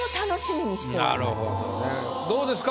どうですか？